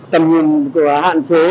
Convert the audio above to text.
tầm nhìn của hạn chối